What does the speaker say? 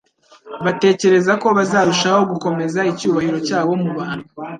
batekereza ko bazarushaho gukomeza icyubahiro cyabo mu bantu